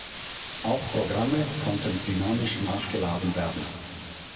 Auch Programme konnten dynamisch nachgeladen werden.